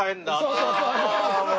そうそうそうそう！